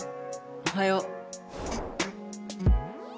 おはよう。